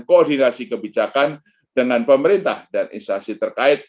koordinasi kebijakan dengan pemerintah dan instasi terkait